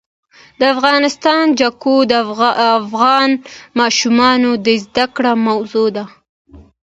د افغانستان جلکو د افغان ماشومانو د زده کړې موضوع ده.